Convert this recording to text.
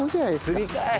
釣りたい！